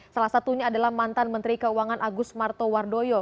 salah satunya adalah mantan menteri keuangan agus martowardoyo